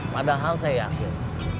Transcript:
padahal saya yakin